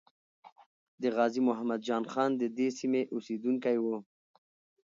د غازی محمد جان خان ددې سیمې اسیدونکی وو.